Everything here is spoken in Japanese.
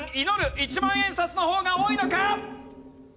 １万円札の方が多いのか？